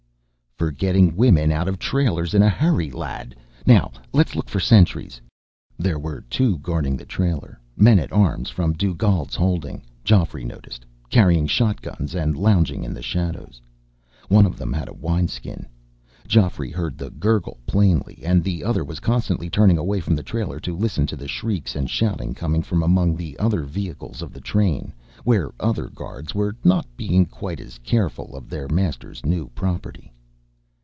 "For getting women out of trailers in a hurry, lad. Now let's look for sentries." There were two guarding the trailer men at arms from Dugald's holding, Geoffrey noticed carrying shotguns and lounging in the shadows. One of them had a wineskin Geoffrey heard the gurgle plainly and the other was constantly turning away from the trailer to listen to the shrieks and shouting coming from among the other vehicles of the train, where other guards were not being quite as careful of their masters' new property.